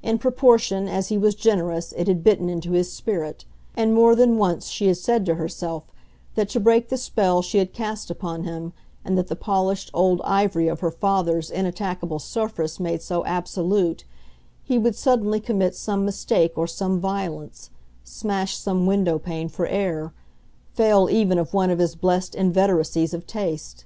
In proportion as he was generous it had bitten into his spirit, and more than once she had said to herself that to break the spell she had cast upon him and that the polished old ivory of her father's inattackable surface made so absolute, he would suddenly commit some mistake or some violence, smash some windowpane for air, fail even of one of his blest inveteracies of taste.